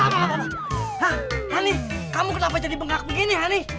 hah hani kamu kenapa jadi bengkak begini hani